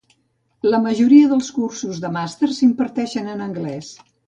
La majoria dels cursos de màster s'imparteixen en anglès.